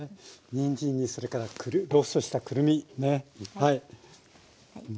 にんじんにそれからローストしたくるみねはい。